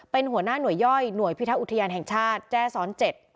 เป็นหัวหน้าหน่วยย่อยหน่วยพิทักษ์อุทยานแห่งชาติแจ้ซ้อนเจ็ด